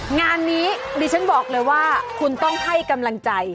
งานนี้ดิฉันบอกเลยว่าคุณต้องให้กำลังใจ